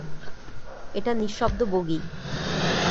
এটা নিঃশব্দ বগি।